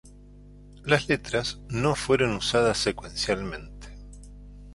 Las letras no fueron usadas secuencialmente.